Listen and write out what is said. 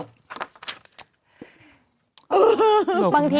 เออ